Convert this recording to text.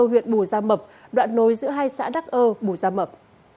huyện bù gia mập đoạn nối giữa hai xã đắc ơ bù gia mập